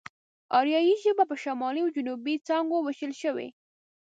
آريايي ژبه په شمالي او جنوبي څانگو وېشل شوې.